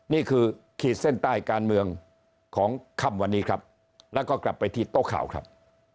นี่คือขีดเส้นใต้การเมืองของค่ำวันนี้ครับแล้วก็กลับไปที่โต๊ะข่าวครับ